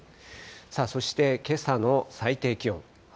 さあ、そしてけさの最低気温。